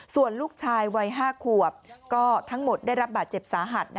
ส่วนลูกชายวัย๕ขวบก็ทั้งหมดได้รับบาดเจ็บสาหัส